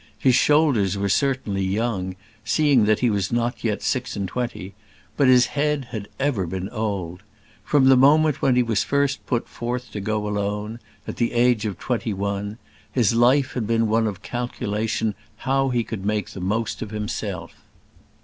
His shoulders were certainly young, seeing that he was not yet six and twenty; but his head had ever been old. From the moment when he was first put forth to go alone at the age of twenty one his life had been one calculation how he could make the most of himself.